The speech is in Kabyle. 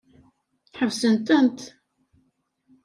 Ḥebsent-t.